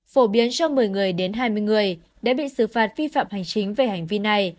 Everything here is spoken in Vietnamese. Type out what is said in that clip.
phổ biến cho một mươi người đến hai mươi người đã bị xử phạt vi phạm hành chính về hành vi này